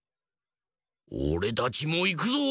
おれたちもいくぞ！